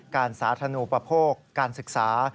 การสาธานูประโพกการศึกษา